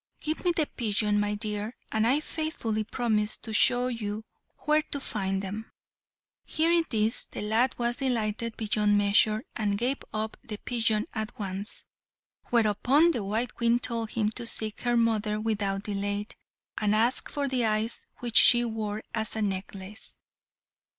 Give me the pigeon, my dear, and I faithfully promise to show you where to find them." Hearing this, the lad was delighted beyond measure, and gave up the pigeon at once. Whereupon the white Queen told him to seek her mother without delay, and ask for the eyes which she wore as a necklace.